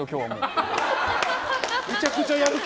めちゃくちゃ、やる気。